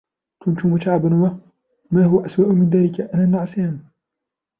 كنت متعبا و ، ما هو أسوأ من ذلك ، أنا نعسان